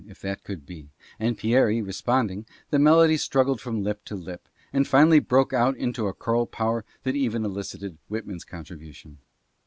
if that could be — and Pierie responding, the melody struggled from lip to lip, and finally broke out into a choral power that even elicited Whitman's contribution.